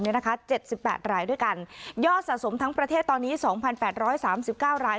เนี่ยนะคะเจ็บสิบแปดรายด้วยกันยอดสะสมทั้งประเทศตอนนี้สองพันแปดร้อยสามสิบเก้าราย